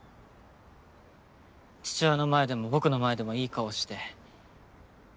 父親の前でも僕の前でもいい顔して。